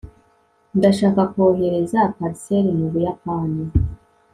ndashaka kohereza parcelle mu buyapani